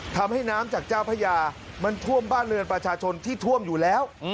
ทำให้น้ำจากเจ้าพญามันท่วมบ้านเรือนประชาชนที่ท่วมอยู่แล้ว